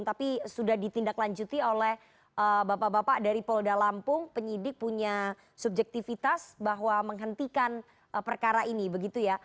tapi sudah ditindaklanjuti oleh bapak bapak dari polda lampung penyidik punya subjektivitas bahwa menghentikan perkara ini begitu ya